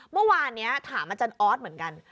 เมื่อวานนี้ถามอาจารย์ออสเหมือนกัน